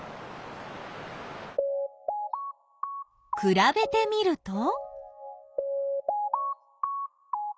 くらべてみると？